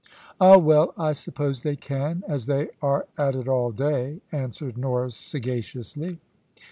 "Ah, well, I suppose they can, as they are at it all day," answered Norris sagaciously.